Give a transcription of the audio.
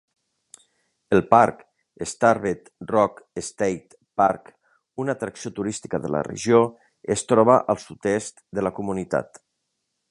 El parc Starved Rock State Park, una atracció turística de la regió, es troba al sud-est de la comunitat.